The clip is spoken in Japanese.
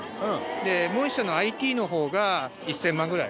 でもう１社のＩＴの方が１０００万ぐらい。